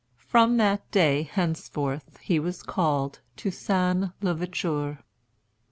From that day henceforth he was called Toussaint l'Ouverture.